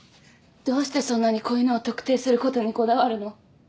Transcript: どうしてそんなに子犬を特定することにこだわるの？